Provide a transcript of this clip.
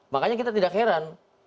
makanya kita tidak heran